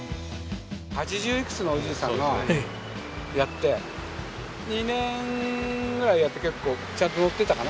八十いくつのおじいさんがやって２年ぐらいやって結構ちゃんと乗ってたかな。